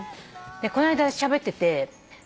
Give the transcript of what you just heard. この間しゃべってて先生